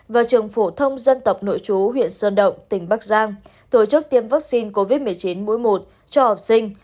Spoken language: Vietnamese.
và trường phổ thông dân tộc nội chú huyện sơn động tỉnh bắc giang tổ chức tiêm vaccine covid một mươi chín mũi một cho học sinh